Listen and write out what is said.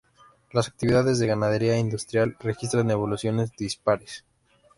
Las actividades de ganadería industrial registran evoluciones dispares.